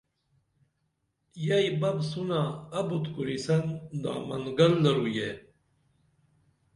ییی بپ سونہ ابت کوریسن دامن گل درو یہ